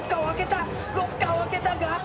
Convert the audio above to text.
ロッカーを開けたが。